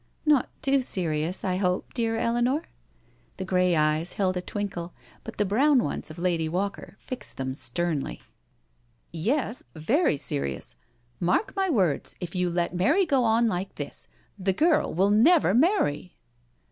"Not too serious, I hope, dear Eleanor?" The grey eyes held a twinkle, but the brown ones of Lady Walker fixed them sternly. ^4 yo SURf^ENDER •• Yes, very serious. Mark my words, if you let Mary go on like this, the girl will never marry."